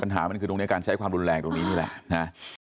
ปัญหามันคือตรงนี้การใช้ความรุนแรงตรงนี้นี่แหละนะ